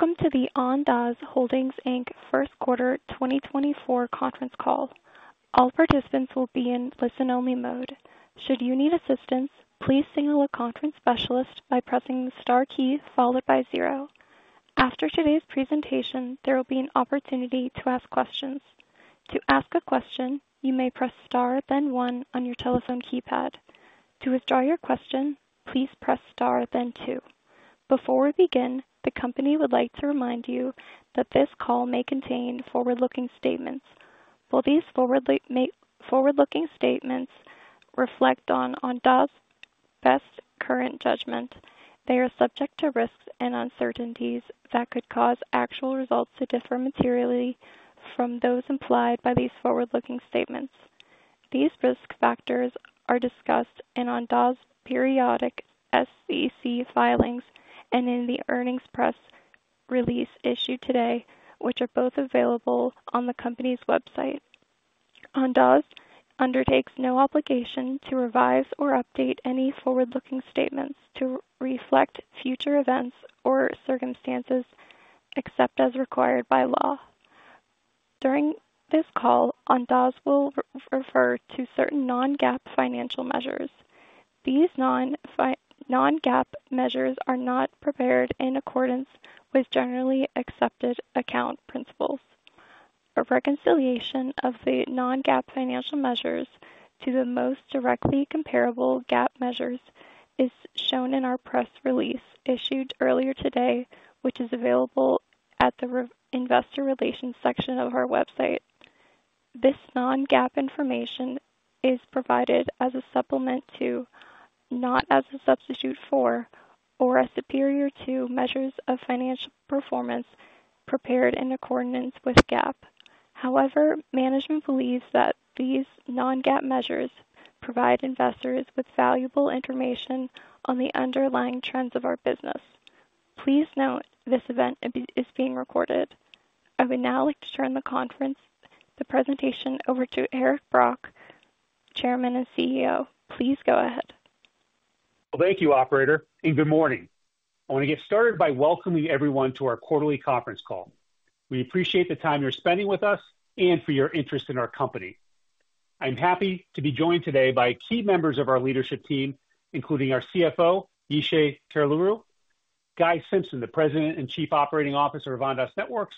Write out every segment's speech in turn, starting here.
Welcome to the Ondas Holdings, Inc. first quarter 2024 conference call. All participants will be in listen-only mode. Should you need assistance, please signal a conference specialist by pressing the star key followed by zero. After today's presentation, there will be an opportunity to ask questions. To ask a question, you may press star then one on your telephone keypad. To withdraw your question, please press star then two. Before we begin, the company would like to remind you that this call may contain forward-looking statements. While these forward-looking statements reflect Ondas' best current judgment, they are subject to risks and uncertainties that could cause actual results to differ materially from those implied by these forward-looking statements. These risk factors are discussed in Ondas' periodic SEC filings and in the earnings press release issued today, which are both available on the company's website. Ondas undertakes no obligation to revise or update any forward-looking statements to reflect future events or circumstances except as required by law. During this call, Ondas will refer to certain non-GAAP financial measures. These non-GAAP measures are not prepared in accordance with generally accepted accounting principles. A reconciliation of the non-GAAP financial measures to the most directly comparable GAAP measures is shown in our press release issued earlier today, which is available at the investor relations section of our website. This non-GAAP information is provided as a supplement to, not as a substitute for, or a superior to measures of financial performance prepared in accordance with GAAP. However, management believes that these non-GAAP measures provide investors with valuable information on the underlying trends of our business. Please note this event is being recorded. I would now like to turn the presentation over to Eric Brock, Chairman and CEO. Please go ahead. Well, thank you, operator, and good morning. I want to get started by welcoming everyone to our quarterly conference call. We appreciate the time you're spending with us and for your interest in our company. I'm happy to be joined today by key members of our leadership team, including our CFO, Yishay Curelaru, Guy Simpson, the President and Chief Operating Officer of Ondas Networks,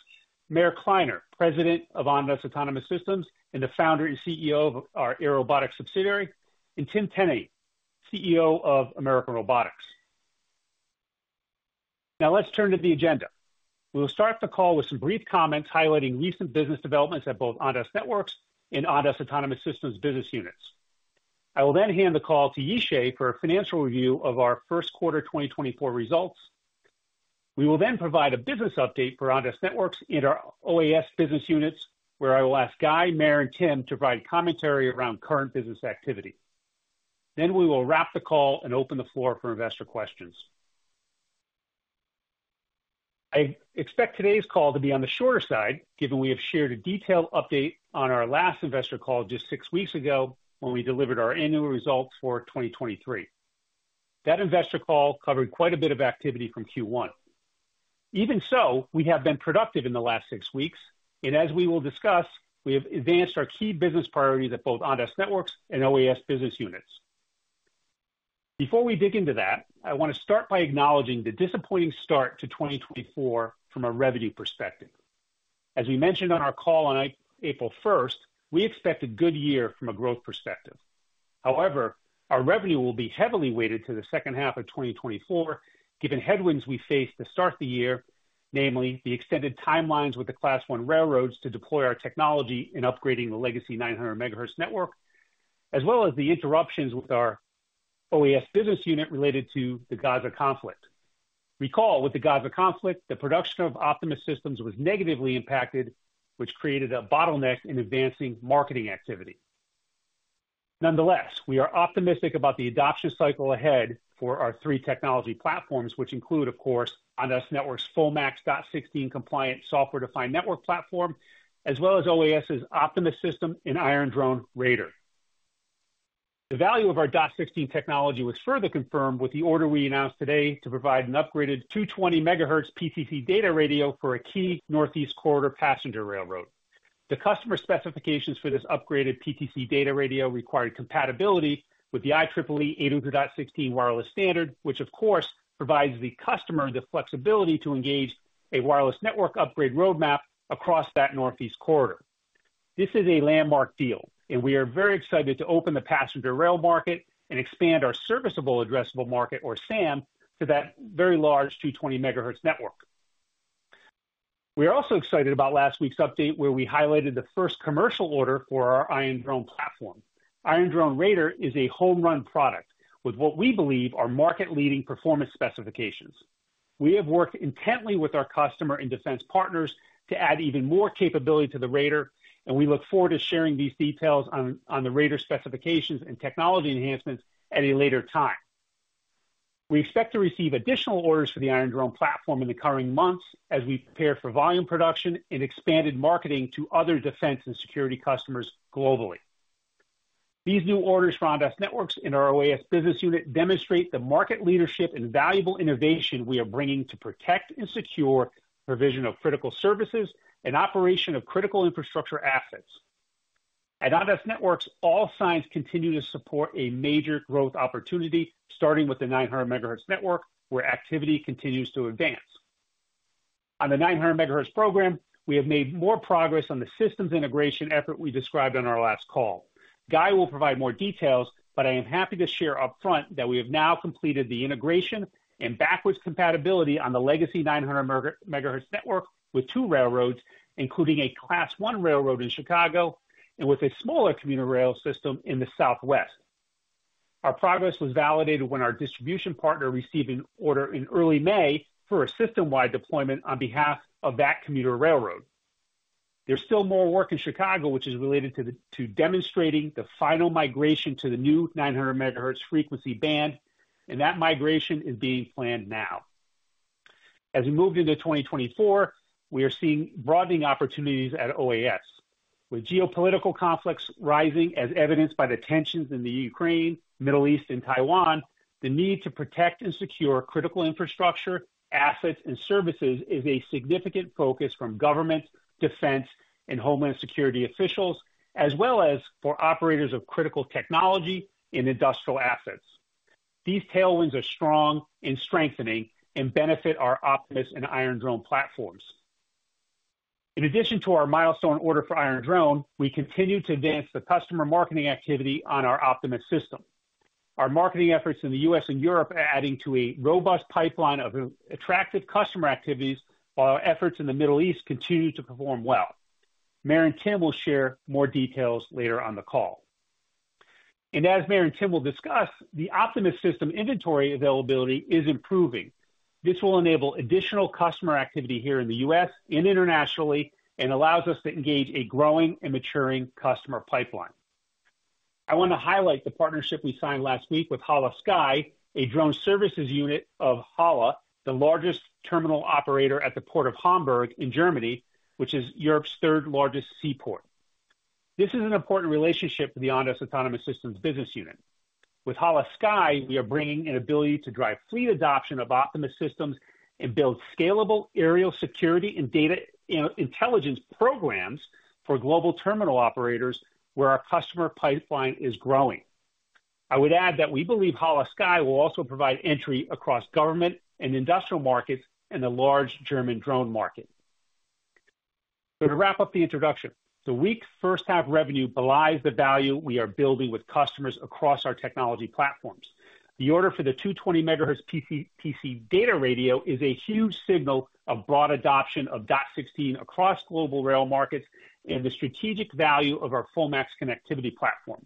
Meir Kliner, President of Ondas Autonomous Systems and the Founder and CEO of our Airobotics subsidiary, and Tim Tenne, CEO of American Robotics. Now let's turn to the agenda. We will start the call with some brief comments highlighting recent business developments at both Ondas Networks and Ondas Autonomous Systems business units. I will then hand the call to Yishay for a financial review of our first quarter 2024 results. We will then provide a business update for Ondas Networks and our OAS business units, where I will ask Guy, Meir, and Tim to provide commentary around current business activity. Then we will wrap the call and open the floor for investor questions. I expect today's call to be on the shorter side, given we have shared a detailed update on our last investor call just six weeks ago when we delivered our annual results for 2023. That investor call covered quite a bit of activity from Q1. Even so, we have been productive in the last six weeks, and as we will discuss, we have advanced our key business priorities at both Ondas Networks and OAS business units. Before we dig into that, I want to start by acknowledging the disappointing start to 2024 from a revenue perspective. As we mentioned on our call on April 1st, we expect a good year from a growth perspective. However, our revenue will be heavily weighted to the second half of 2024, given headwinds we faced to start the year, namely the extended timelines with the Class I railroads to deploy our technology in upgrading the legacy 900 MHz network, as well as the interruptions with our OAS business unit related to the Gaza conflict. Recall, with the Gaza conflict, the production of Optimus Systems was negatively impacted, which created a bottleneck in advancing marketing activity. Nonetheless, we are optimistic about the adoption cycle ahead for our three technology platforms, which include, of course, Ondas Networks' fullmax IEEE 802.16s compliant software-defined network platform, as well as OAS's Optimus System and Iron Drone Radar. The value of our 802.16t technology was further confirmed with the order we announced today to provide an upgraded 220 MHz PTC data radio for a key Northeast Corridor passenger railroad. The customer specifications for this upgraded PTC data radio required compatibility with the IEEE 802.16s wireless standard, which, of course, provides the customer the flexibility to engage a wireless network upgrade roadmap across that Northeast Corridor. This is a landmark deal, and we are very excited to open the passenger rail market and expand our serviceable addressable market, or SAM, to that very large 220 MHz network. We are also excited about last week's update, where we highlighted the first commercial order for our Iron Drone platform. Iron Drone Radar is a home-run product with what we believe are market-leading performance specifications. We have worked intently with our customer and defense partners to add even more capability to the radar, and we look forward to sharing these details on the radar specifications and technology enhancements at a later time. We expect to receive additional orders for the Iron Drone platform in the coming months as we prepare for volume production and expanded marketing to other defense and security customers globally. These new orders from Ondas Networks and our OAS business unit demonstrate the market leadership and valuable innovation we are bringing to protect and secure provision of critical services and operation of critical infrastructure assets. At Ondas Networks, all signs continue to support a major growth opportunity, starting with the 900 MHz network, where activity continues to advance. On the 900 MHz program, we have made more progress on the systems integration effort we described on our last call. Guy will provide more details, but I am happy to share upfront that we have now completed the integration and backwards compatibility on the legacy 900 MHz network with two railroads, including a Class I railroad in Chicago and with a smaller commuter rail system in the Southwest. Our progress was validated when our distribution partner received an order in early May for a system-wide deployment on behalf of that commuter railroad. There's still more work in Chicago, which is related to demonstrating the final migration to the new 900 MHz frequency band, and that migration is being planned now. As we move into 2024, we are seeing broadening opportunities at OAS. With geopolitical conflicts rising, as evidenced by the tensions in the Ukraine, Middle East, and Taiwan, the need to protect and secure critical infrastructure, assets, and services is a significant focus from governments, defense, and homeland security officials, as well as for operators of critical technology and industrial assets. These tailwinds are strong and strengthening and benefit our Optimus and Iron Drone platforms. In addition to our milestone order for Iron Drone, we continue to advance the customer marketing activity on our Optimus system. Our marketing efforts in the U.S. and Europe are adding to a robust pipeline of attractive customer activities, while our efforts in the Middle East continue to perform well. Meir and Tim will share more details later on the call. As Meir and Tim will discuss, the Optimus system inventory availability is improving. This will enable additional customer activity here in the U.S. and internationally and allows us to engage a growing and maturing customer pipeline. I want to highlight the partnership we signed last week with HHLA Sky, a drone services unit of HHLA, the largest terminal operator at the port of Hamburg in Germany, which is Europe's third-largest seaport. This is an important relationship for the Ondas Autonomous Systems business unit. With HHLA Sky, we are bringing an ability to drive fleet adoption of Optimus systems and build scalable aerial security and data intelligence programs for global terminal operators where our customer pipeline is growing. I would add that we believe HHLA Sky will also provide entry across government and industrial markets and the large German drone market. So, to wrap up the introduction, the weak first-half revenue belies the value we are building with customers across our technology platforms. The order for the 220 MHz PTC data radio is a huge signal of broad adoption of .16 across global rail markets and the strategic value of our FullMAX connectivity platform.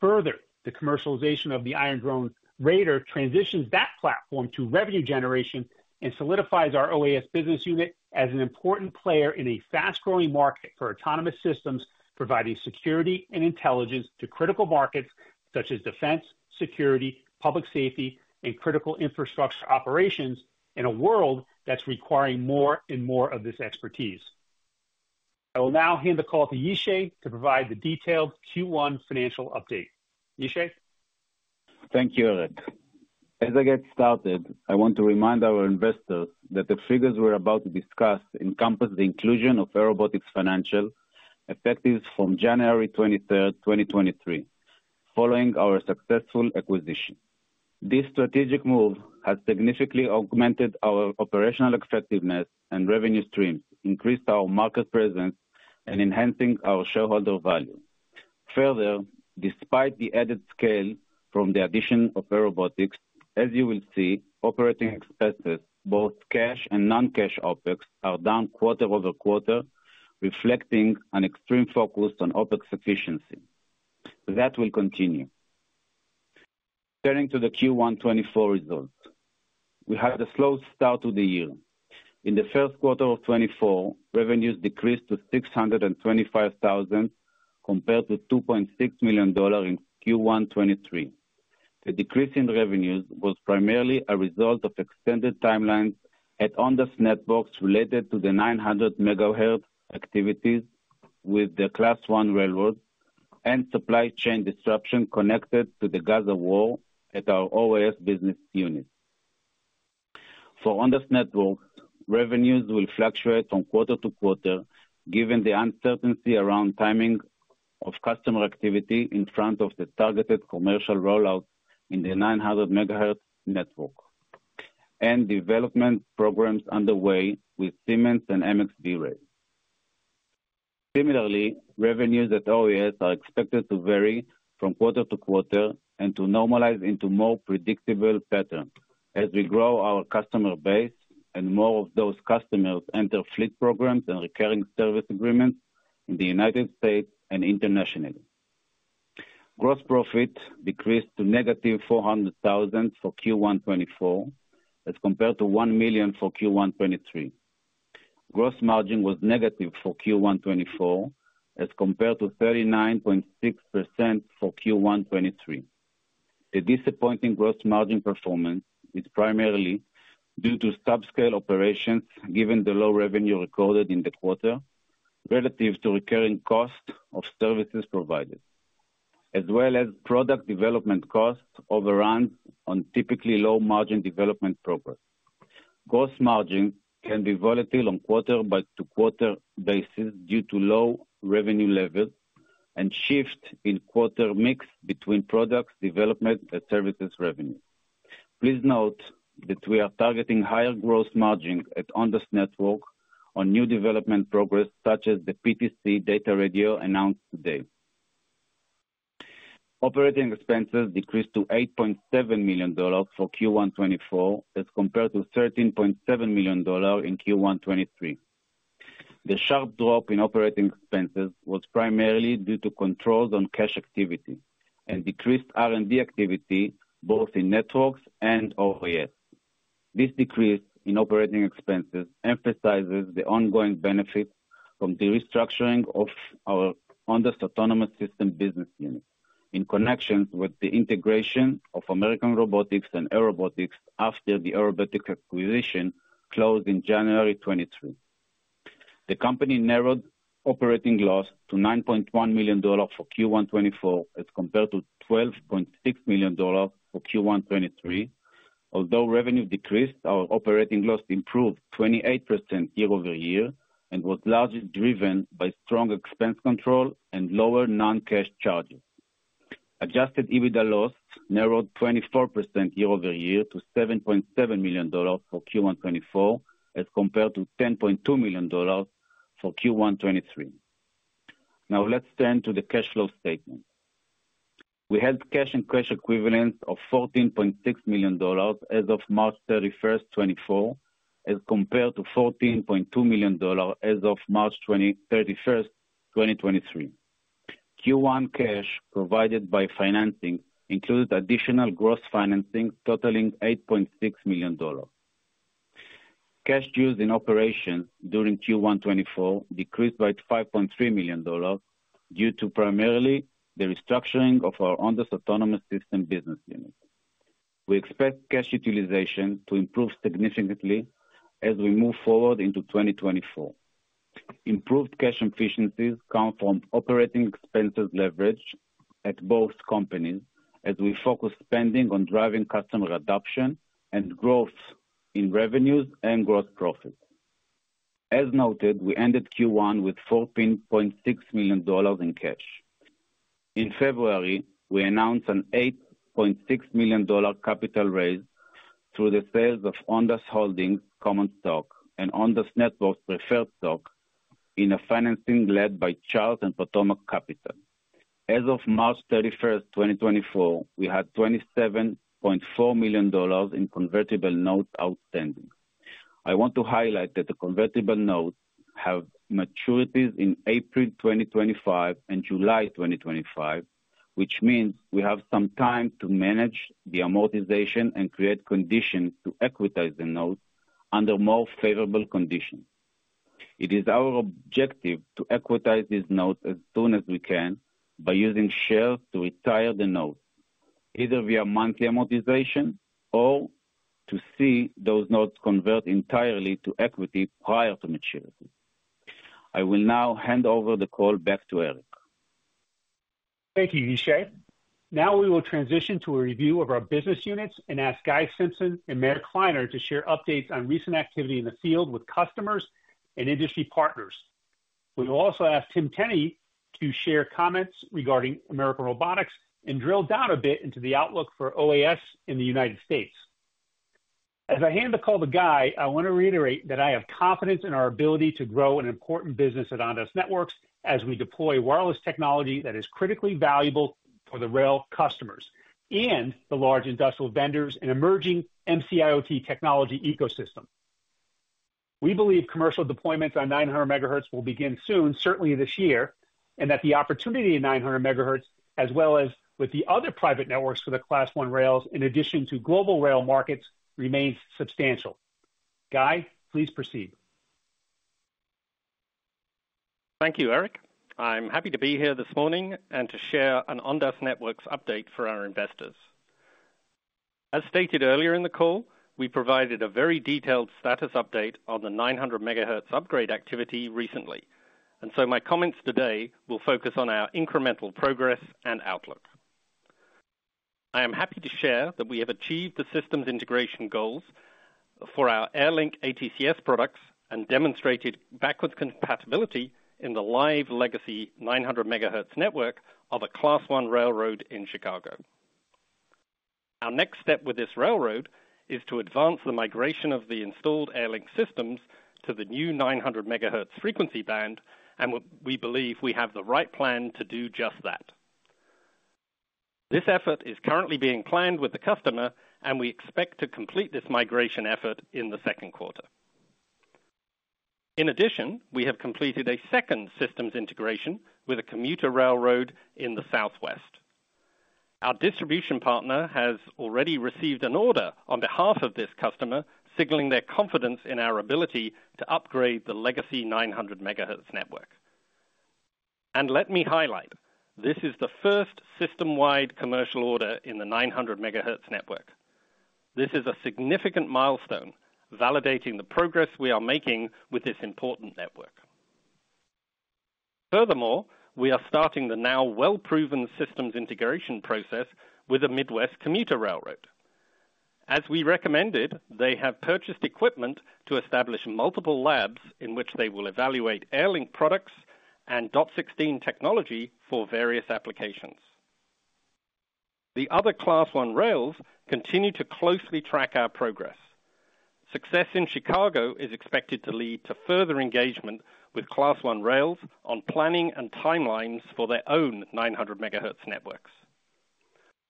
Further, the commercialization of the Iron Drone Radar transitions that platform to revenue generation and solidifies our OAS business unit as an important player in a fast-growing market for autonomous systems providing security and intelligence to critical markets such as defense, security, public safety, and critical infrastructure operations in a world that's requiring more and more of this expertise. I will now hand the call to Yishay to provide the detailed Q1 financial update. Yishay? Thank you, Eric. As I get started, I want to remind our investors that the figures we're about to discuss encompass the inclusion of Airobotics financial effects from January 23, 2023, following our successful acquisition. This strategic move has significantly augmented our operational effectiveness and revenue streams, increased our market presence, and enhanced our shareholder value. Further, despite the added scale from the addition of Airobotics, as you will see, operating expenses, both cash and non-cash OpEx, are down quarter-over-quarter, reflecting an extreme focus on OpEx efficiency. That will continue. Turning to the Q1 2024 results. We had a slow start to the year. In the first quarter of 2024, revenues decreased to $625,000 compared to $2.6 million in Q1 2023. The decrease in revenues was primarily a result of extended timelines at Ondas Networks related to the 900 MHz activities with the Class I railroads and supply chain disruption connected to the Gaza war at our OAS business unit. For Ondas Networks, revenues will fluctuate from quarter to quarter given the uncertainty around timing of customer activity in front of the targeted commercial rollout in the 900 MHz network and development programs underway with Siemens and MXV Rail. Similarly, revenues at OAS are expected to vary from quarter to quarter and to normalize into more predictable patterns as we grow our customer base and more of those customers enter fleet programs and recurring service agreements in the United States and internationally. Gross profit decreased to -$400,000 for Q1 2024 as compared to $1 million for Q1 2023. Gross margin was negative for Q1 2024 as compared to 39.6% for Q1 2023. The disappointing gross margin performance is primarily due to subscale operations given the low revenue recorded in the quarter relative to recurring costs of services provided, as well as product development cost overruns on typically low-margin development projects. Gross margins can be volatile on a quarter-to-quarter basis due to low revenue levels and shifts in quarter mix between product development and services revenue. Please note that we are targeting higher gross margins at Ondas Networks on new development projects such as the PTC data radio announced today. Operating expenses decreased to $8.7 million for Q1 2024 as compared to $13.7 million in Q1 2023. The sharp drop in operating expenses was primarily due to controls on cash activity and decreased R&D activity both in networks and OAS. This decrease in operating expenses emphasizes the ongoing benefits from the restructuring of our Ondas Autonomous Systems business unit in connection with the integration of American Robotics and Airobotics after the Airobotics acquisition closed in January 2023. The company narrowed operating loss to $9.1 million for Q1 2024 as compared to $12.6 million for Q1 2023. Although revenue decreased, our operating loss improved 28% year over year and was largely driven by strong expense control and lower non-cash charges. Adjusted EBITDA loss narrowed 24% year over year to $7.7 million for Q1 2024 as compared to $10.2 million for Q1 2023. Now, let's turn to the cash flow statement. We held cash and cash equivalents of $14.6 million as of March 31, 2024 as compared to $14.2 million as of March 31, 2023. Q1 2024 cash provided by financing included additional gross financing totaling $8.6 million. Cash used in operations during Q1 2024 decreased by $5.3 million due to primarily the restructuring of our Ondas Autonomous Systems business unit. We expect cash utilization to improve significantly as we move forward into 2024. Improved cash efficiencies come from operating expenses leverage at both companies as we focus spending on driving customer adoption and growth in revenues and gross profit. As noted, we ended Q1 with $14.6 million in cash. In February, we announced an $8.6 million capital raise through the sales of Ondas Holdings common stock and Ondas Networks preferred stock in a financing led by Charles and Potomac Capital. As of March 31, 2024, we had $27.4 million in convertible notes outstanding. I want to highlight that the convertible notes have maturities in April 2025 and July 2025, which means we have some time to manage the amortization and create conditions to equitize the notes under more favorable conditions. It is our objective to equitize these notes as soon as we can by using shares to retire the notes, either via monthly amortization or to see those notes convert entirely to equity prior to maturity. I will now hand over the call back to Eric. Thank you, Yishay. Now we will transition to a review of our business units and ask Guy Simpson and Meir Kliner to share updates on recent activity in the field with customers and industry partners. We will also ask Tim Tenne to share comments regarding American Robotics and drill down a bit into the outlook for OAS in the United States. As I hand the call to Guy, I want to reiterate that I have confidence in our ability to grow an important business at Ondas Networks as we deploy wireless technology that is critically valuable for the rail customers and the large industrial vendors and emerging MCIoT technology ecosystem. We believe commercial deployments on 900 MHz will begin soon, certainly this year, and that the opportunity in 900 MHz, as well as with the other private networks for the Class I rails in addition to global rail markets, remains substantial. Guy, please proceed. Thank you, Eric. I'm happy to be here this morning and to share an Ondas Networks update for our investors. As stated earlier in the call, we provided a very detailed status update on the 900 MHz upgrade activity recently, and so my comments today will focus on our incremental progress and outlook. I am happy to share that we have achieved the systems integration goals for our Airlink ATCS products and demonstrated backward compatibility in the live legacy 900 MHz network of a Class I railroad in Chicago. Our next step with this railroad is to advance the migration of the installed Airlink systems to the new 900 MHz frequency band, and we believe we have the right plan to do just that. This effort is currently being planned with the customer, and we expect to complete this migration effort in the second quarter. In addition, we have completed a second systems integration with a commuter railroad in the Southwest. Our distribution partner has already received an order on behalf of this customer signaling their confidence in our ability to upgrade the legacy 900 MHz network. Let me highlight, this is the first system-wide commercial order in the 900 MHz network. This is a significant milestone validating the progress we are making with this important network. Furthermore, we are starting the now well-proven systems integration process with a Midwest commuter railroad. As we recommended, they have purchased equipment to establish multiple labs in which they will evaluate Airlink products and 802.16 technology for various applications. The other Class I rails continue to closely track our progress. Success in Chicago is expected to lead to further engagement with Class I rails on planning and timelines for their own 900 MHz networks.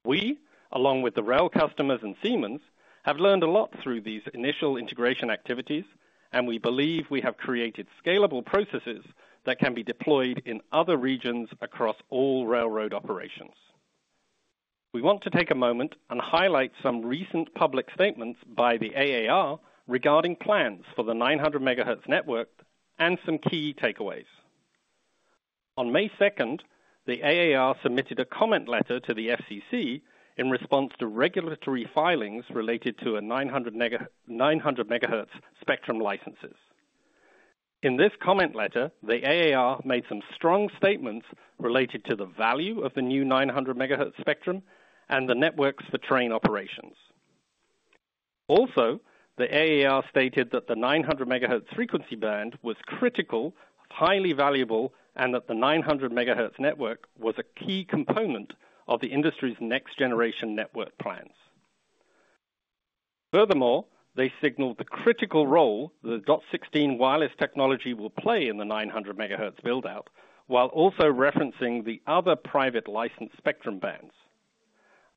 We, along with the rail customers and Siemens, have learned a lot through these initial integration activities, and we believe we have created scalable processes that can be deployed in other regions across all railroad operations. We want to take a moment and highlight some recent public statements by the AAR regarding plans for the 900 MHz network and some key takeaways. On May 2, the AAR submitted a comment letter to the FCC in response to regulatory filings related to 900 MHz spectrum licenses. In this comment letter, the AAR made some strong statements related to the value of the new 900 MHz spectrum and the networks for train operations. Also, the AAR stated that the 900 MHz frequency band was critical, highly valuable, and that the 900 MHz network was a key component of the industry's next-generation network plans. Furthermore, they signaled the critical role the .16 wireless technology will play in the 900 MHz buildout while also referencing the other private license spectrum bands.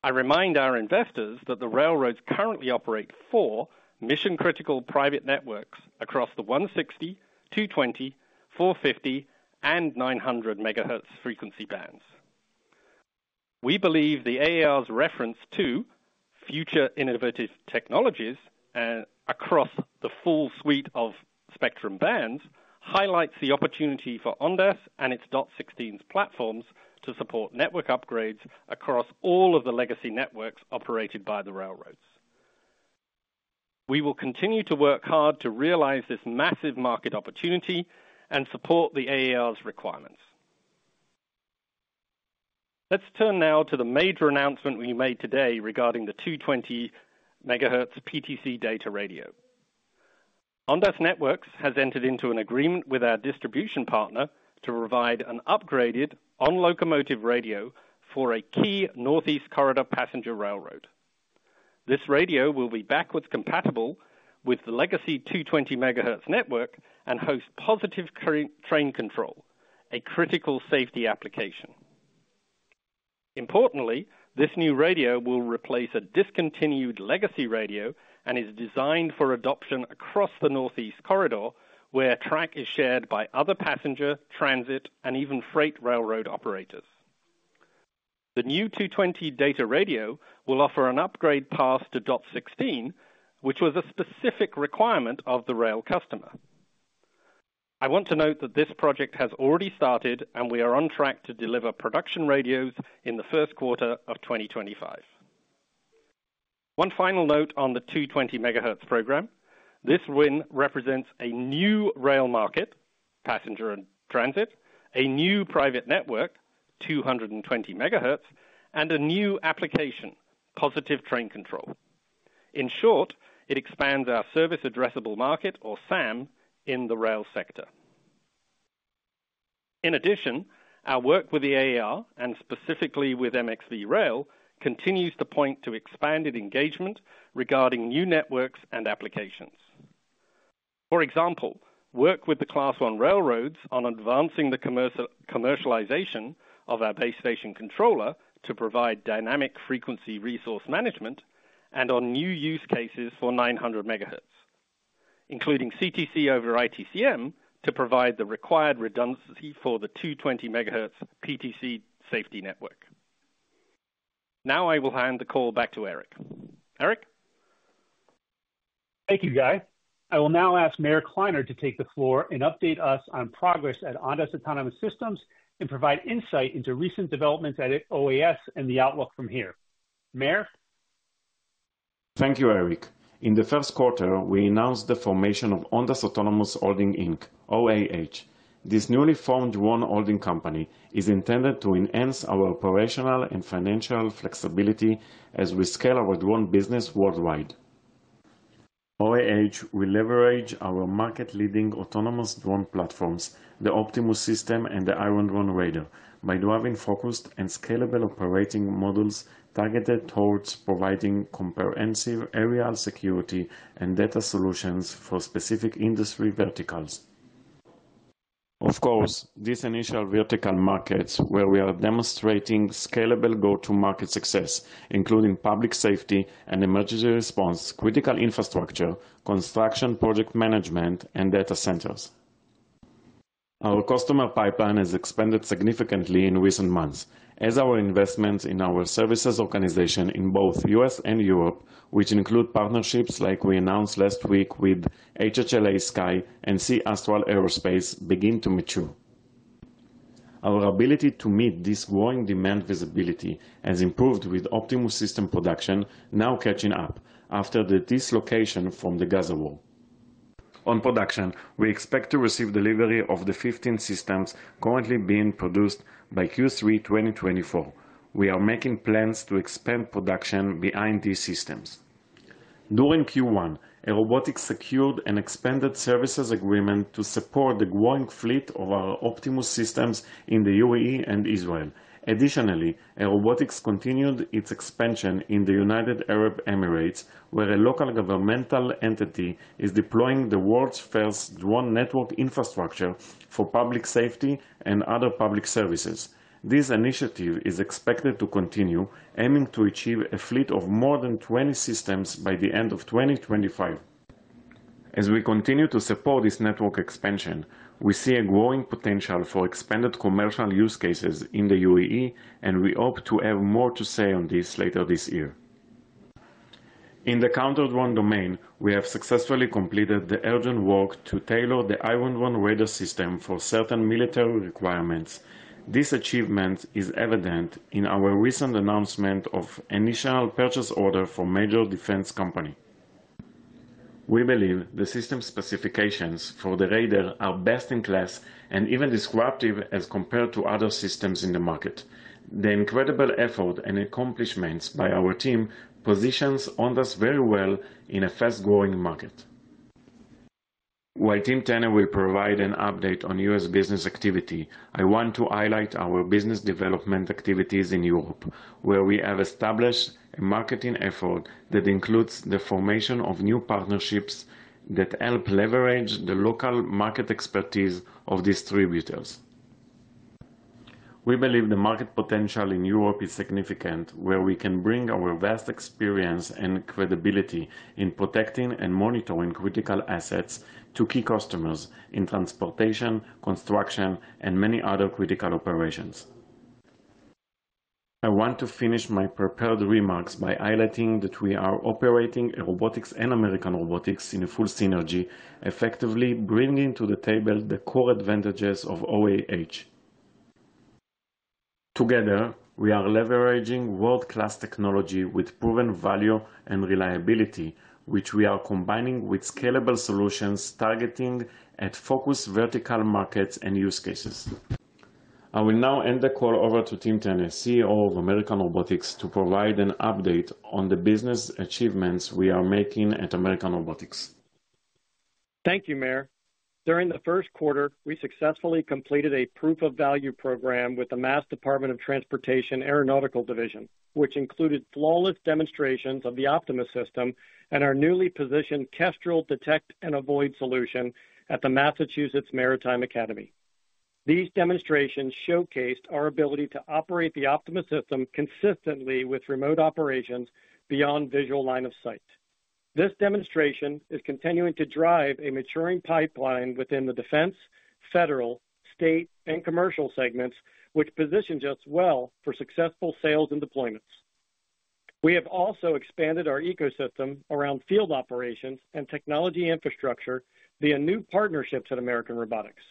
I remind our investors that the railroads currently operate four mission-critical private networks across the 160, 220, 450, and 900 MHz frequency bands. We believe the AAR's reference to future innovative technologies across the full suite of spectrum bands highlights the opportunity for Ondas and its .16 platforms to support network upgrades across all of the legacy networks operated by the railroads. We will continue to work hard to realize this massive market opportunity and support the AAR's requirements. Let's turn now to the major announcement we made today regarding the 220 MHz PTC data radio. Ondas Networks has entered into an agreement with our distribution partner to provide an upgraded on-locomotive radio for a key Northeast Corridor passenger railroad. This radio will be backwards compatible with the legacy 220 MHz network and host positive train control, a critical safety application. Importantly, this new radio will replace a discontinued legacy radio and is designed for adoption across the Northeast Corridor where track is shared by other passenger, transit, and even freight railroad operators. The new 220 data radio will offer an upgrade path to .16, which was a specific requirement of the rail customer. I want to note that this project has already started, and we are on track to deliver production radios in the first quarter of 2025. One final note on the 220 MHz program. This win represents a new rail market, passenger and transit, a new private network, 220 MHz, and a new application, positive train control. In short, it expands our serviceable addressable market, or SAM, in the rail sector. In addition, our work with the AAR and specifically with MXV Rail continues to point to expanded engagement regarding new networks and applications. For example, work with the Class I railroads on advancing the commercialization of our base station controller to provide dynamic frequency resource management and on new use cases for 900 MHz, including CTC over ITCM to provide the required redundancy for the 220 MHz PTC safety network. Now I will hand the call back to Eric. Eric? Thank you, Guy. I will now ask Meir Kliner to take the floor and update us on progress at Ondas Autonomous Systems and provide insight into recent developments at OAS and the outlook from here. Meir? Thank you, Eric. In the first quarter, we announced the formation of Ondas Autonomous Holdings, Inc, OAH. This newly formed drone holding company is intended to enhance our operational and financial flexibility as we scale our drone business worldwide. OAH will leverage our market-leading autonomous drone platforms, the Optimus System, and the Iron Drone Raider by driving focused and scalable operating models targeted towards providing comprehensive aerial security and data solutions for specific industry verticals. Of course, these initial vertical markets where we are demonstrating scalable go-to-market success, including public safety and emergency response, critical infrastructure, construction project management, and data centers. Our customer pipeline has expanded significantly in recent months as our investments in our services organization in both U.S. and Europe, which include partnerships like we announced last week with HHLA Sky and C-Astral Aerospace, begin to mature. Our ability to meet this growing demand. Visibility has improved with Optimus System production now catching up after the dislocation from the Gaza war. On production, we expect to receive delivery of the 15 systems currently being produced by Q3 2024. We are making plans to expand production behind these systems. During Q1, Airobotics secured an expanded services agreement to support the growing fleet of our Optimus System in the UAE and Israel. Additionally, Airobotics continued its expansion in the United Arab Emirates, where a local governmental entity is deploying the world's first drone network infrastructure for public safety and other public services. This initiative is expected to continue, aiming to achieve a fleet of more than 20 systems by the end of 2025. As we continue to support this network expansion, we see a growing potential for expanded commercial use cases in the UAE, and we hope to have more to say on this later this year. In the counterdrone domain, we have successfully completed the urgent work to tailor the Iron Drone Raider system for certain military requirements. This achievement is evident in our recent announcement of an initial purchase order for a major defense company. We believe the system specifications for the Raider are best in class and even disruptive as compared to other systems in the market. The incredible effort and accomplishments by our team position Ondas very well in a fast-growing market. While Tim Tenne will provide an update on U.S. business activity, I want to highlight our business development activities in Europe, where we have established a marketing effort that includes the formation of new partnerships that help leverage the local market expertise of distributors. We believe the market potential in Europe is significant, where we can bring our vast experience and credibility in protecting and monitoring critical assets to key customers in transportation, construction, and many other critical operations. I want to finish my prepared remarks by highlighting that we are operating Airobotics and American Robotics in a full synergy, effectively bringing to the table the core advantages of OAH. Together, we are leveraging world-class technology with proven value and reliability, which we are combining with scalable solutions targeting focused vertical markets and use cases. I will now hand the call over to Tim Tenne, CEO of American Robotics, to provide an update on the business achievements we are making at American Robotics. Thank you, Meir. During the first quarter, we successfully completed a proof of value program with the Mass Department of Transportation Aeronautics Division, which included flawless demonstrations of the Optimus System and our newly positioned Casia Detect and Avoid solution at the Massachusetts Maritime Academy. These demonstrations showcased our ability to operate the Optimus System consistently with remote operations beyond visual line of sight. This demonstration is continuing to drive a maturing pipeline within the defense, federal, state, and commercial segments, which positions us well for successful sales and deployments. We have also expanded our ecosystem around field operations and technology infrastructure via new partnerships at American Robotics.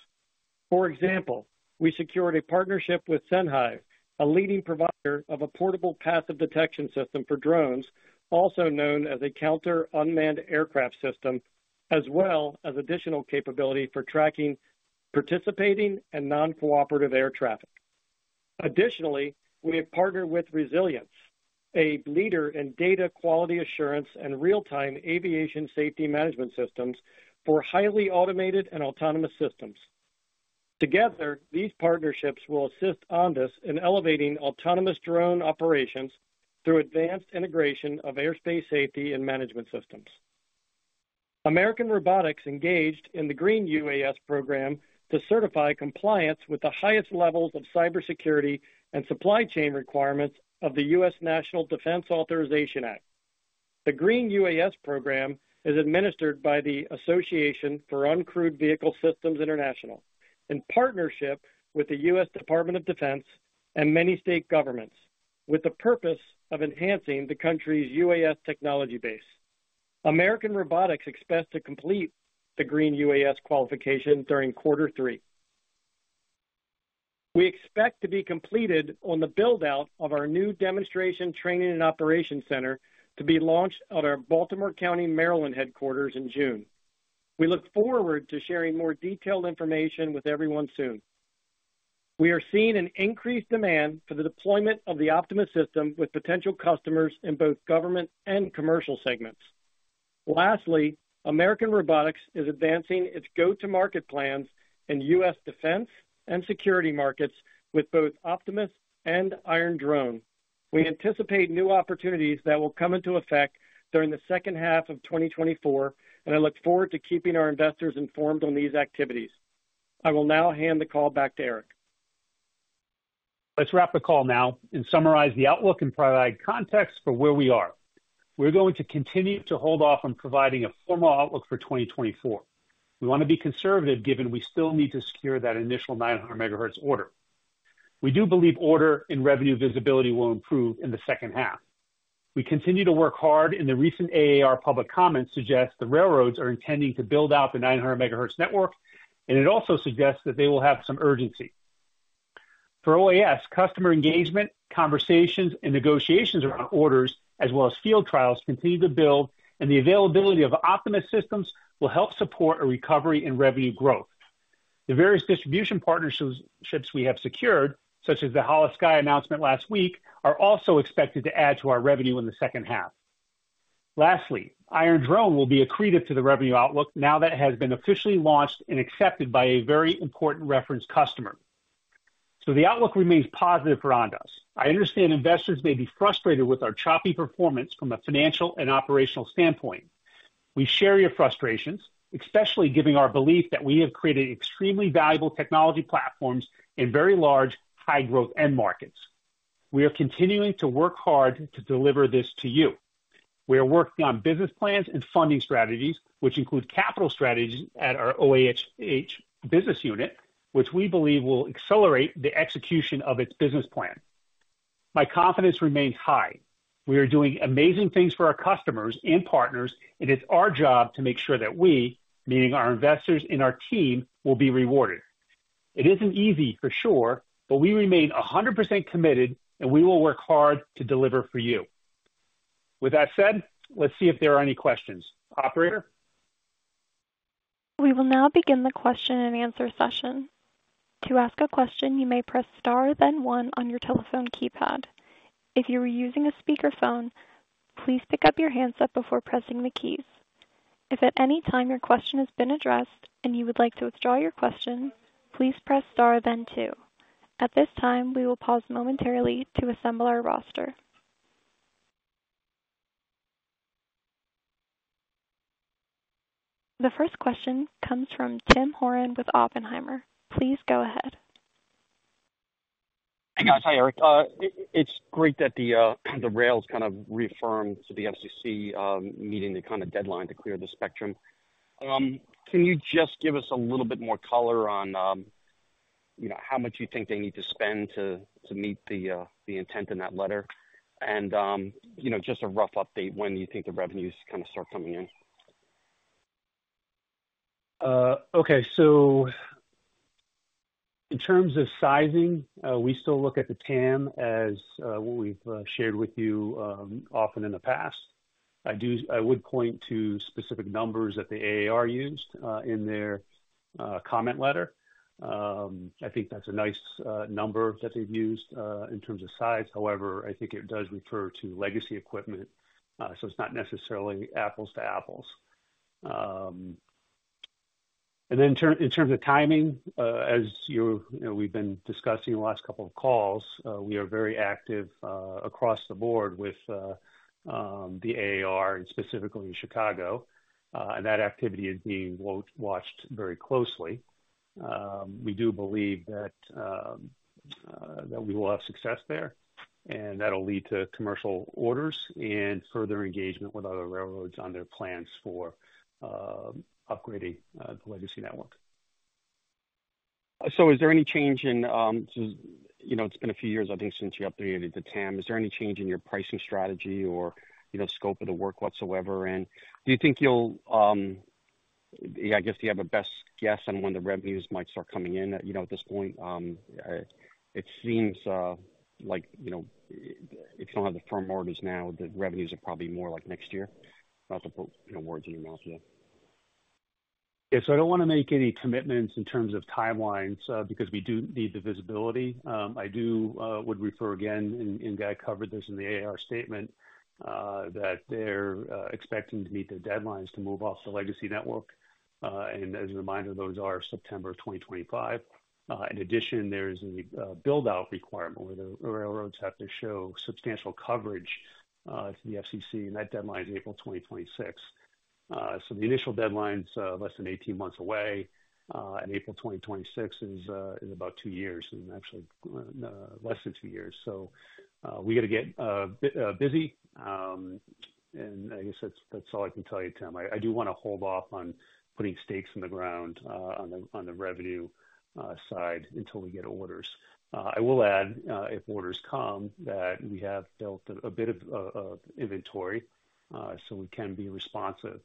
For example, we secured a partnership with Senhive, a leading provider of a portable passive detection system for drones, also known as a counter-unmanned aircraft system, as well as additional capability for tracking participating and non-cooperative air traffic. Additionally, we have partnered with ResilienX, a leader in data quality assurance and real-time aviation safety management systems for highly automated and autonomous systems. Together, these partnerships will assist Ondas in elevating autonomous drone operations through advanced integration of airspace safety and management systems. American Robotics engaged in the Green UAS program to certify compliance with the highest levels of cybersecurity and supply chain requirements of the US National Defense Authorization Act. The Green UAS program is administered by the Association for Uncrewed Vehicle Systems International in partnership with the US Department of Defense and many state governments, with the purpose of enhancing the country's UAS technology base. American Robotics expects to complete the Green UAS qualification during quarter three. We expect to be completed on the buildout of our new demonstration training and operation center to be launched at our Baltimore County, Maryland, headquarters in June. We look forward to sharing more detailed information with everyone soon. We are seeing an increased demand for the deployment of the Optimus System with potential customers in both government and commercial segments. Lastly, American Robotics is advancing its go-to-market plans in U.S. defense and security markets with both Optimus and Iron Drone. We anticipate new opportunities that will come into effect during the second half of 2024, and I look forward to keeping our investors informed on these activities. I will now hand the call back to Eric. Let's wrap the call now and summarize the outlook and provide context for where we are. We're going to continue to hold off on providing a formal outlook for 2024. We want to be conservative given we still need to secure that initial 900 MHz order. We do believe order and revenue visibility will improve in the second half. We continue to work hard, and the recent AAR public comments suggest the railroads are intending to build out the 900 MHz network, and it also suggests that they will have some urgency. For OAS, customer engagement, conversations, and negotiations around orders, as well as field trials, continue to build, and the availability of Optimus systems will help support a recovery and revenue growth. The various distribution partnerships we have secured, such as the HHLA Sky announcement last week, are also expected to add to our revenue in the second half. Lastly, Iron Drone will be accretive to the revenue outlook now that it has been officially launched and accepted by a very important reference customer. So the outlook remains positive for Ondas. I understand investors may be frustrated with our choppy performance from a financial and operational standpoint. We share your frustrations, especially given our belief that we have created extremely valuable technology platforms in very large, high-growth end markets. We are continuing to work hard to deliver this to you. We are working on business plans and funding strategies, which include capital strategies at our OAH business unit, which we believe will accelerate the execution of its business plan. My confidence remains high. We are doing amazing things for our customers and partners, and it's our job to make sure that we, meaning our investors and our team, will be rewarded. It isn't easy, for sure, but we remain 100% committed, and we will work hard to deliver for you. With that said, let's see if there are any questions. Operator? We will now begin the question-and-answer session. To ask a question, you may press star, then one, on your telephone keypad. If you are using a speakerphone, please pick up your handset before pressing the keys. If at any time your question has been addressed and you would like to withdraw your question, please press star, then two. At this time, we will pause momentarily to assemble our roster. The first question comes from Tim Horan with Oppenheimer. Please go ahead. Hang on. Hi, Eric. It's great that the rail's kind of reaffirmed to the FCC meeting the kind of deadline to clear the spectrum. Can you just give us a little bit more color on how much you think they need to spend to meet the intent in that letter and just a rough update when you think the revenues kind of start coming in? Okay. So in terms of sizing, we still look at the TAM as what we've shared with you often in the past. I would point to specific numbers that the AAR used in their comment letter. I think that's a nice number that they've used in terms of size. However, I think it does refer to legacy equipment, so it's not necessarily apples to apples. And then in terms of timing, as we've been discussing the last couple of calls, we are very active across the board with the AAR and specifically in Chicago, and that activity is being watched very closely. We do believe that we will have success there, and that'll lead to commercial orders and further engagement with other railroads on their plans for upgrading the legacy network. So, is there any change in, it's been a few years, I think, since you upgraded to TAM. Is there any change in your pricing strategy or scope of the work whatsoever? And do you think you'll, yeah, I guess, do you have a best guess on when the revenues might start coming in at this point? It seems like if you don't have the firm orders now, the revenues are probably more like next year. I'm not to put words in your mouth yet. Yeah. So I don't want to make any commitments in terms of timelines because we do need the visibility. I do would refer again, and Guy covered this in the AAR statement, that they're expecting to meet their deadlines to move off the legacy network. And as a reminder, those are September of 2025. In addition, there is a buildout requirement where the railroads have to show substantial coverage to the FCC, and that deadline is April 2026. So the initial deadline's less than 18 months away, and April 2026 is about two years, actually less than two years. So we got to get busy. And I guess that's all I can tell you, Tim. I do want to hold off on putting stakes in the ground on the revenue side until we get orders. I will add, if orders come, that we have built a bit of inventory so we can be responsive.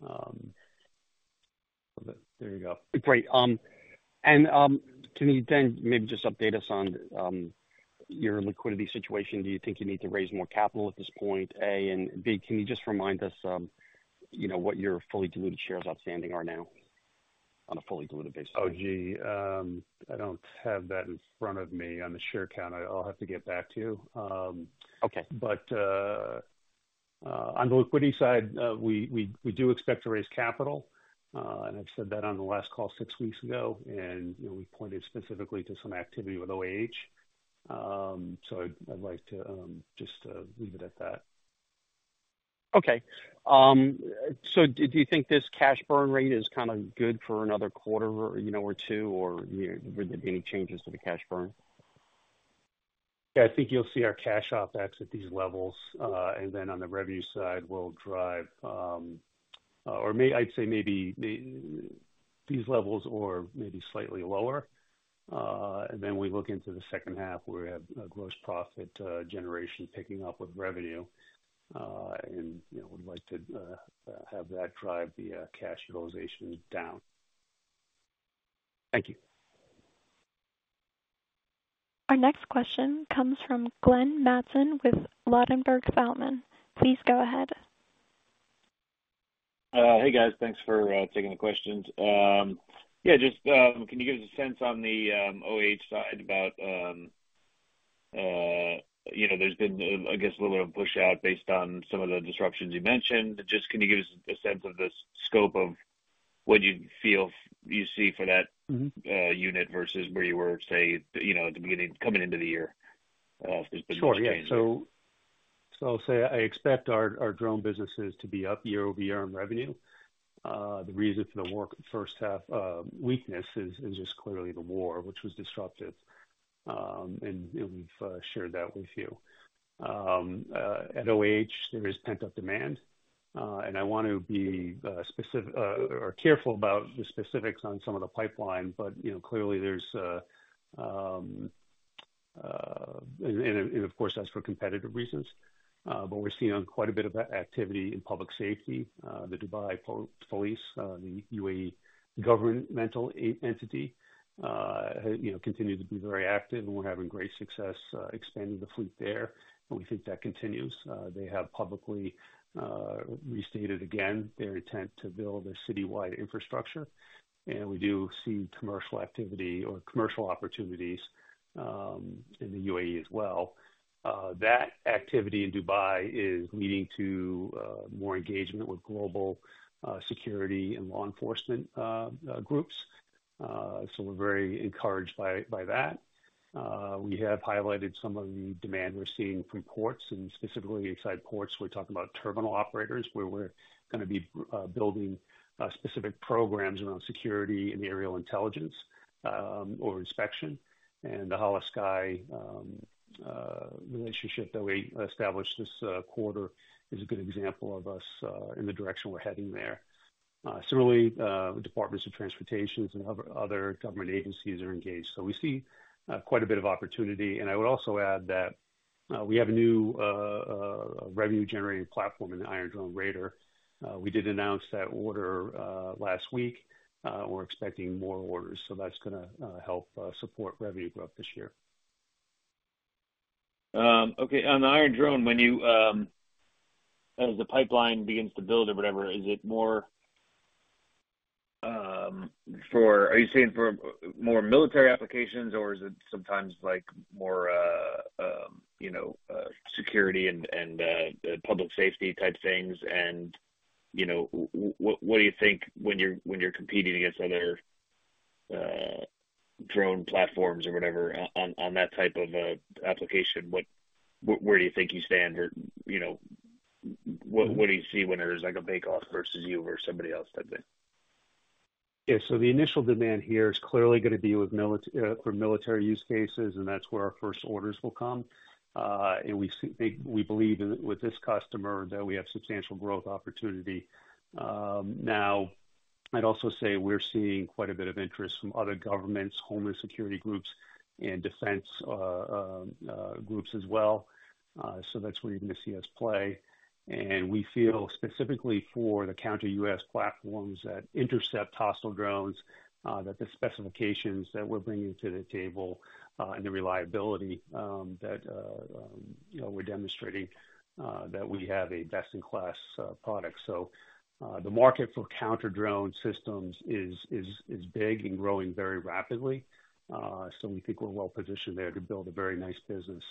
So there you go. Great. And can you then maybe just update us on your liquidity situation? Do you think you need to raise more capital at this point? A, and B, can you just remind us what your fully diluted shares outstanding are now on a fully diluted basis? Oh, gee. I don't have that in front of me on the share count. I'll have to get back to you. But on the liquidity side, we do expect to raise capital. And I've said that on the last call six weeks ago, and we pointed specifically to some activity with OAH. So I'd like to just leave it at that. Okay. So do you think this cash burn rate is kind of good for another quarter or two, or were there any changes to the cash burn? Yeah. I think you'll see our cash outflows at these levels. And then on the revenue side, we'll drive, or I'd say maybe these levels or maybe slightly lower. And then we look into the second half where we have gross profit generation picking up with revenue, and we'd like to have that drive the cash utilization down. Thank you. Our next question comes from Glenn Mattson with Ladenburg Thalmann. Please go ahead. Hey, guys. Thanks for taking the questions. Yeah. Just can you give us a sense on the OAH side about there's been, I guess, a little bit of a pushout based on some of the disruptions you mentioned? Just can you give us a sense of the scope of what you feel you see for that unit versus where you were, say, at the beginning coming into the year, if there's been some changes? Sure. Yeah. So I'll say I expect our drone businesses to be up year over year in revenue. The reason for the weak first half weakness is just clearly the war, which was disruptive, and we've shared that with you. At OAH, there is pent-up demand, and I want to be careful about the specifics on some of the pipeline, but clearly, there's and of course, that's for competitive reasons. But we're seeing quite a bit of activity in public safety. The Dubai Police, the UAE governmental entity, continue to be very active, and we're having great success expanding the fleet there, and we think that continues. They have publicly restated again their intent to build a citywide infrastructure, and we do see commercial activity or commercial opportunities in the UAE as well. That activity in Dubai is leading to more engagement with global security and law enforcement groups, so we're very encouraged by that. We have highlighted some of the demand we're seeing from ports, and specifically inside ports, we're talking about terminal operators where we're going to be building specific programs around security and aerial intelligence or inspection. And the HHLA Sky relationship that we established this quarter is a good example of us in the direction we're heading there. Similarly, departments of transportation and other government agencies are engaged. So we see quite a bit of opportunity. And I would also add that we have a new revenue-generating platform in the Iron Drone Raider. We did announce that order last week. We're expecting more orders, so that's going to help support revenue growth this year. Okay. On the Iron Drone, as the pipeline begins to build or whatever, is it more for—are you saying for more military applications, or is it sometimes more security and public safety type things? What do you think when you're competing against other drone platforms or whatever on that type of application, where do you think you stand, or what do you see when there's a bake-off versus you versus somebody else type thing? Yeah. So the initial demand here is clearly going to be for military use cases, and that's where our first orders will come. And we believe with this customer that we have substantial growth opportunity. Now, I'd also say we're seeing quite a bit of interest from other governments, homeland security groups, and defense groups as well. So that's where you're going to see us play. And we feel specifically for the counter-UAS platforms that intercept hostile drones, that the specifications that we're bringing to the table and the reliability that we're demonstrating that we have a best-in-class product. So the market for counter-drone systems is big and growing very rapidly, so we think we're well-positioned there to build a very nice business,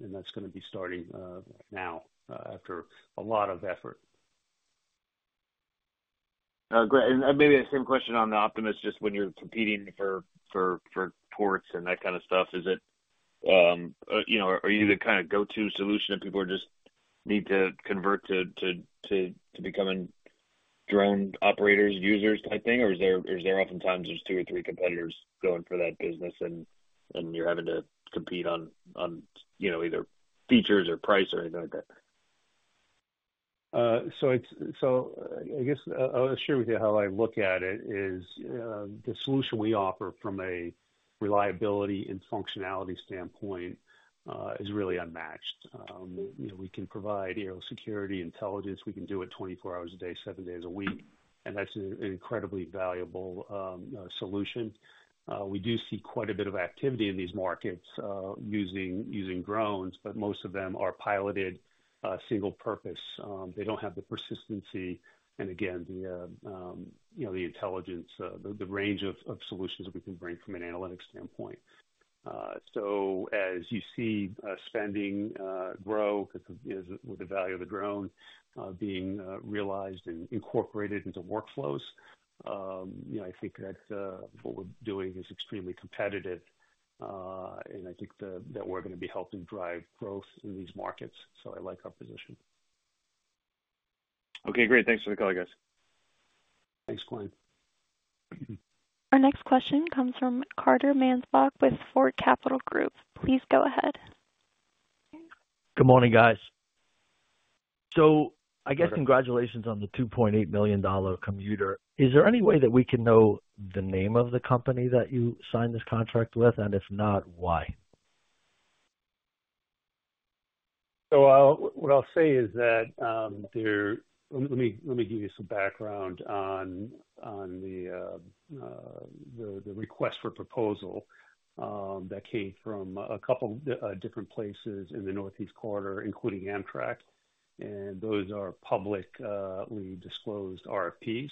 and that's going to be starting now after a lot of effort. Great. Maybe the same question on the Optimus, just when you're competing for ports and that kind of stuff, is it are you the kind of go-to solution that people just need to convert to becoming drone operators users type thing, or is there oftentimes just two or three competitors going for that business, and you're having to compete on either features or price or anything like that? So I guess I'll share with you how I look at it. The solution we offer from a reliability and functionality standpoint is really unmatched. We can provide aerial security intelligence. We can do it 24 hours a day, seven days a week, and that's an incredibly valuable solution. We do see quite a bit of activity in these markets using drones, but most of them are piloted single-purpose. They don't have the persistency and, again, the intelligence, the range of solutions that we can bring from an analytics standpoint. So as you see spending grow with the value of the drone being realized and incorporated into workflows, I think that what we're doing is extremely competitive, and I think that we're going to be helping drive growth in these markets. So I like our position. Okay. Great. Thanks for the call, guys. Thanks, Glenn. Our next question comes from Carter Mansbach with Forte Capital Group. Please go ahead. Good morning, guys. So I guess congratulations on the $2.8 million commuter. Is there any way that we can know the name of the company that you signed this contract with, and if not, why? So what I'll say is that there let me give you some background on the request for proposal that came from a couple of different places in the Northeast Corridor, including Amtrak, and those are publicly disclosed RFPs.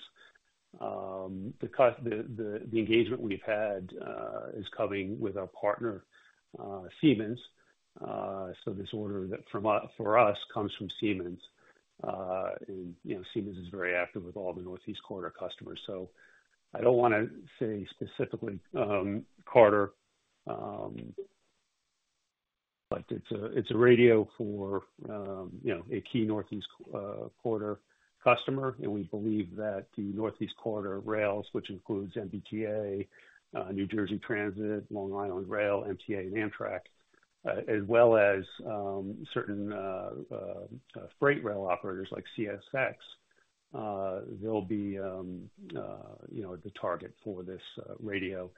The engagement we've had is coming with our partner, Siemens. So this order for us comes from Siemens, and Siemens is very active with all the Northeast Corridor customers. So I don't want to say specifically Carter, but it's a radio for a key Northeast Corridor customer, and we believe that the Northeast Corridor rails, which includes MBTA, New Jersey Transit, Long Island Rail Road, MTA, and Amtrak, as well as certain freight rail operators like CSX, they'll be the target for this radio.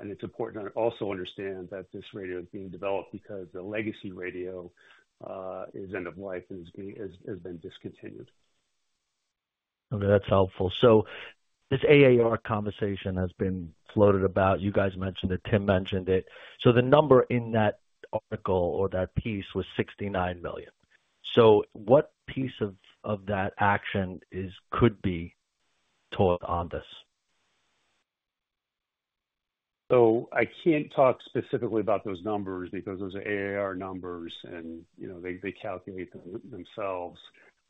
And it's important to also understand that this radio is being developed because the legacy radio is end of life and has been discontinued. Okay. That's helpful. This AAR conversation has been floated about. You guys mentioned it. Tim mentioned it. The number in that article or that piece was $69 million. What piece of that action could be toward Ondas? So I can't talk specifically about those numbers because those are AAR numbers, and they calculate themselves.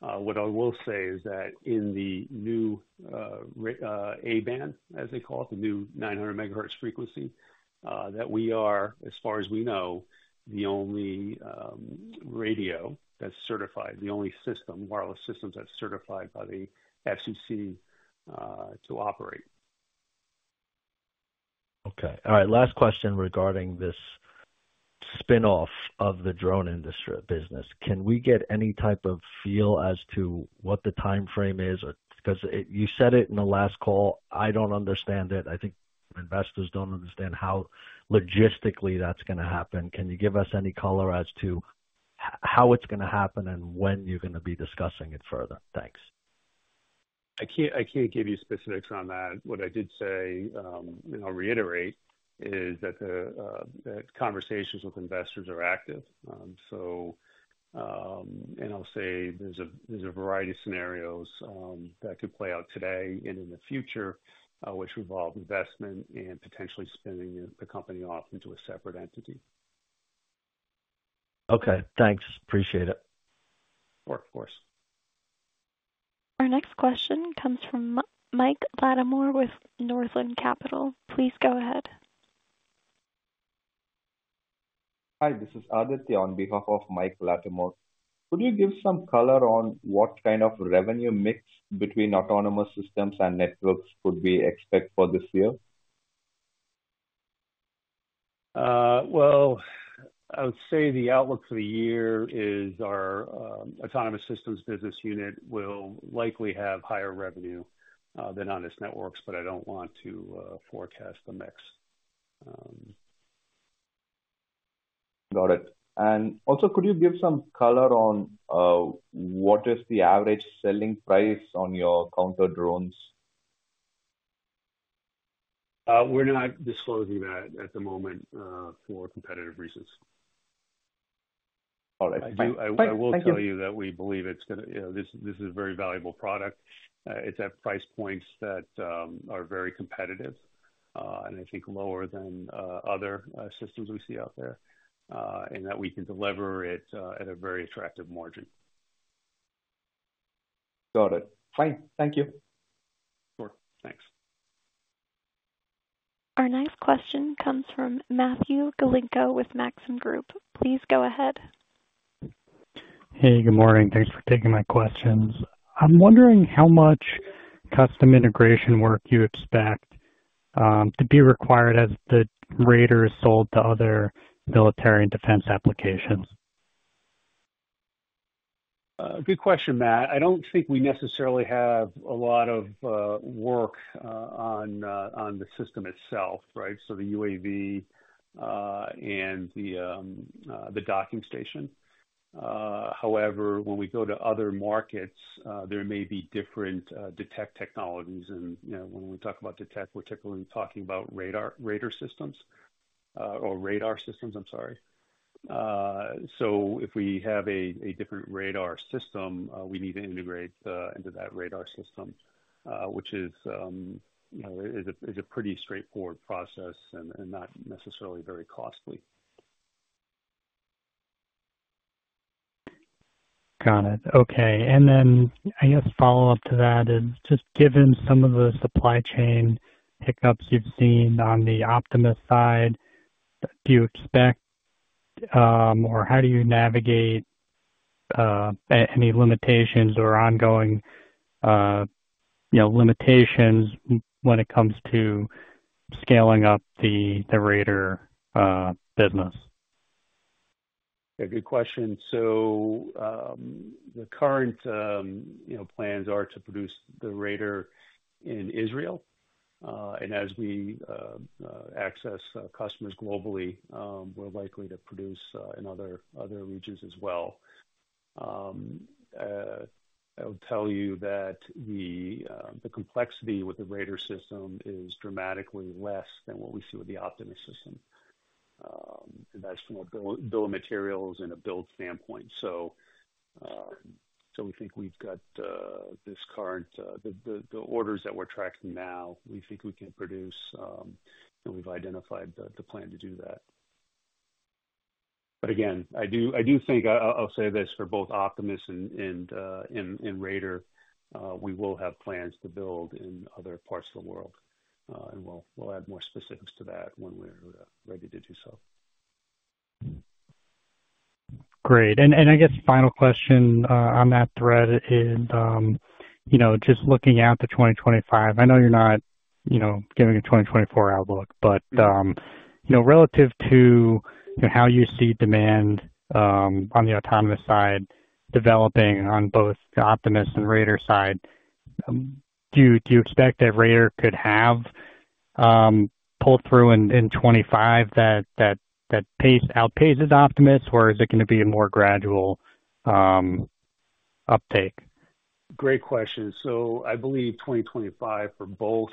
What I will say is that in the new A-Band, as they call it, the new 900 MHz frequency, that we are, as far as we know, the only radio that's certified, the only wireless systems that's certified by the FCC to operate. Okay. All right. Last question regarding this spinoff of the drone industry business. Can we get any type of feel as to what the timeframe is? Because you said it in the last call. I don't understand it. I think investors don't understand how logistically that's going to happen. Can you give us any color as to how it's going to happen and when you're going to be discussing it further? Thanks. I can't give you specifics on that. What I did say, and I'll reiterate, is that conversations with investors are active. And I'll say there's a variety of scenarios that could play out today and in the future, which involve investment and potentially spinning the company off into a separate entity. Okay. Thanks. Appreciate it. Sure. Of course. Our next question comes from Mike Latimore with Northland Capital. Please go ahead. Hi. This is Aditya on behalf of Mike Latimore. Could you give some color on what kind of revenue mix between autonomous systems and networks could we expect for this year? Well, I would say the outlook for the year is our autonomous systems business unit will likely have higher revenue than Ondas Networks, but I don't want to forecast the mix. Got it. And also, could you give some color on what is the average selling price on your counter-drones? We're not disclosing that at the moment for competitive reasons. All right. Thank you. I will tell you that we believe it's going to this. This is a very valuable product. It's at price points that are very competitive and I think lower than other systems we see out there and that we can deliver it at a very attractive margin. Got it. Fine. Thank you. Sure. Thanks. Our next question comes from Matthew Galinko with Maxim Group. Please go ahead. Hey. Good morning. Thanks for taking my questions. I'm wondering how much custom integration work you expect to be required as the Raider is sold to other military and defense applications. Good question, Matt. I don't think we necessarily have a lot of work on the system itself, right, so the UAV and the docking station. However, when we go to other markets, there may be different detect technologies. And when we talk about detect, we're typically talking about radar systems or radar systems, I'm sorry. So if we have a different radar system, we need to integrate into that radar system, which is a pretty straightforward process and not necessarily very costly. Got it. Okay. And then I guess follow-up to that is just given some of the supply chain hiccups you've seen on the Optimus side, do you expect or how do you navigate any limitations or ongoing limitations when it comes to scaling up the Raider business? Yeah. Good question. So the current plans are to produce the Raider in Israel, and as we access customers globally, we're likely to produce in other regions as well. I will tell you that the complexity with the Raider system is dramatically less than what we see with the Optimus system, and that's from a bill of materials and a build standpoint. So we think we've got the current orders that we're tracking now. We think we can produce, and we've identified the plan to do that. But again, I do think I'll say this for both Optimus and Raider, we will have plans to build in other parts of the world, and we'll add more specifics to that when we're ready to do so. Great. And I guess final question on that thread is just looking out to 2025. I know you're not giving a 2024 outlook, but relative to how you see demand on the autonomous side developing on both the Optimus and Raider side, do you expect that Raider could have pull-through in 2025 that outpaces Optimus, or is it going to be a more gradual uptake? Great question. So I believe 2025 for both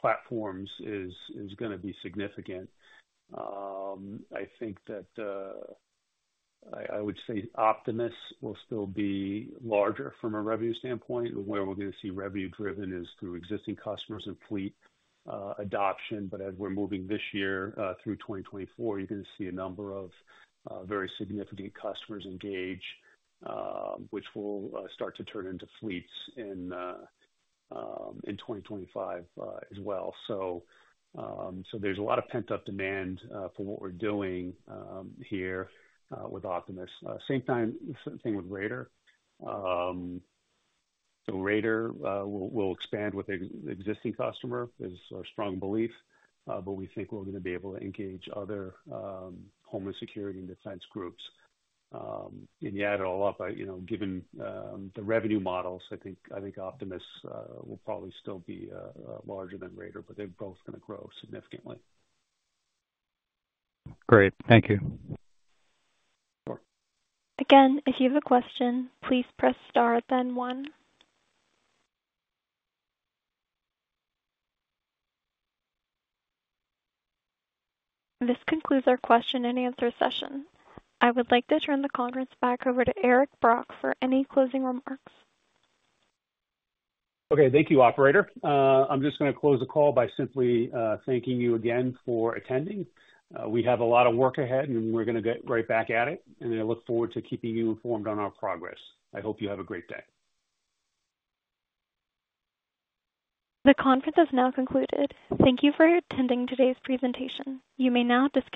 platforms is going to be significant. I think that I would say Optimus will still be larger from a revenue standpoint. Where we're going to see revenue-driven is through existing customers and fleet adoption. But as we're moving this year through 2024, you're going to see a number of very significant customers engage, which will start to turn into fleets in 2025 as well. So there's a lot of pent-up demand for what we're doing here with Optimus. Same thing with Raider. So Raider will expand with an existing customer is our strong belief, but we think we're going to be able to engage other homeland security and defense groups. And yeah, to add it all up, given the revenue models, I think Optimus will probably still be larger than Raider, but they're both going to grow significantly. Great. Thank you. Sure. Again, if you have a question, please press star, then one. This concludes our question and answer session. I would like to turn the conference back over to Eric Brock for any closing remarks. Okay. Thank you, operator. I'm just going to close the call by simply thanking you again for attending. We have a lot of work ahead, and we're going to get right back at it, and I look forward to keeping you informed on our progress. I hope you have a great day. The conference has now concluded. Thank you for attending today's presentation. You may now disconnect.